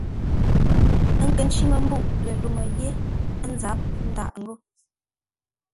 Ə́ nkə́ ncí mə́ mbûʼ ləluŋú yé ńzáp ńdâʼ ngô.